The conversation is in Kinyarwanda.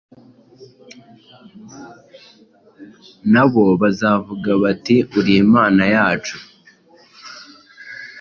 Na bo bazavuga bati ‘Uri Imana yacu.’”